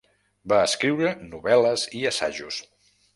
Va escriure novel·les i assajos.